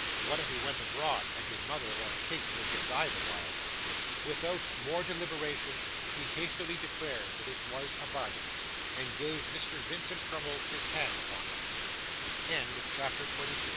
What if he went abroad, and his mother or Kate were to die the while? Without more deliberation, he hastily declared that it was a bargain, and gave Mr. Vincent Crummles his hand upon it.